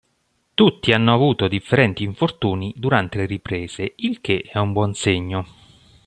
Tutti hanno avuto differenti infortuni durante le riprese il che è un buon segno.